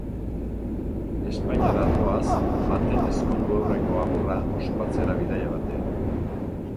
Espainiara doaz, baten ezkondu aurreko agurra ospatzera bidaia batean.